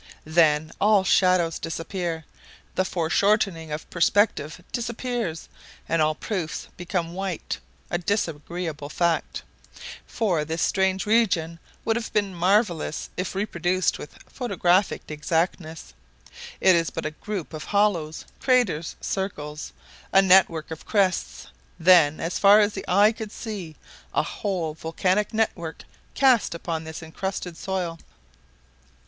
Then all shadows disappear, the foreshortening of perspective disappears, and all proofs become white—a disagreeable fact: for this strange region would have been marvelous if reproduced with photographic exactness. It is but a group of hollows, craters, circles, a network of crests; then, as far as the eye could see, a whole volcanic network cast upon this encrusted soil.